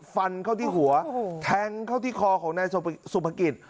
ฟันเข้าที่หัวแทงเข้าที่คอของนายสุภกิจ